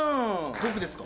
僕ですか？